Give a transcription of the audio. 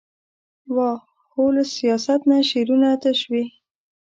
واه ! هو له سياست نه شعرونو ته شوې ،